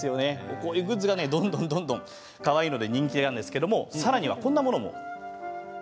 こういうグッズが、どんどんかわいいので人気があるんですがさらにはこんなものもあります。